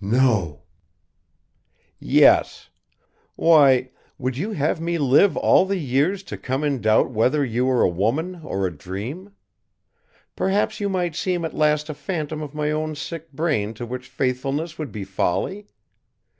"No!" "Yes. Why, would you have me live all the years to come in doubt whether you were a woman or a dream? Perhaps you might seem at last a phantom of my own sick brain to which faithfulness would be folly?